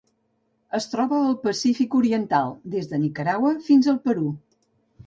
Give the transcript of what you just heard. Es troba al Pacífic oriental: des de Nicaragua fins al Perú.